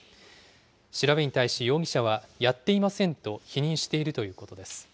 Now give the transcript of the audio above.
調べに対し、容疑者はやっていませんと否認しているということです。